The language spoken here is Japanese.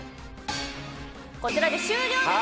こちらで終了です！